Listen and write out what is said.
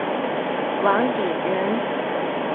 王鼎人。